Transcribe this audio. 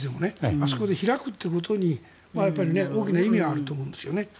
あそこで開くということに大きな意味があると思うんです。